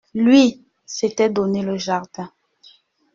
Lui, s'était donné le jardin.